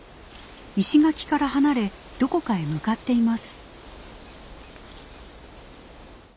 石垣から離れどこかへ向かっています。